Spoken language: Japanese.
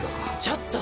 ちょっと！